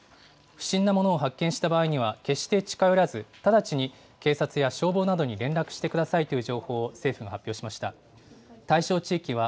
不審なものを発見した場合には、決して近寄らず、直ちに警察や消防などに連絡してくださいという情報を政府が発表しました。